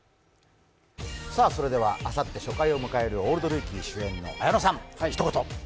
それではあさって初回を迎える「オールドルーキー」主演の綾野さん、ひと言。